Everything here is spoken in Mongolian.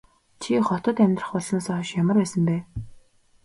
Чи хотод амьдрах болсноосоо хойш ямар байсан бэ?